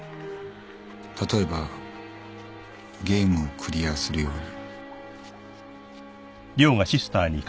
「例えばゲームをクリアするように」